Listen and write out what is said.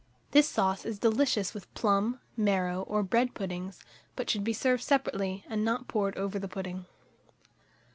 This sauce is delicious with plum, marrow, or bread puddings; but should be served separately, and not poured over the pudding.